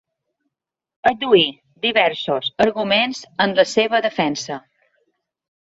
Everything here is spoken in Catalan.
Adduir diversos arguments en la seva defensa.